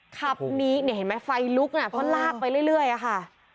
ขับหนีเนี่ยเห็นไหมไฟลุกน่ะเพราะลากไปเรื่อยอะค่ะ